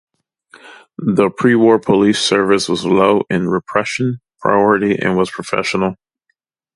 The prewar police service was low in repression priority and was professional.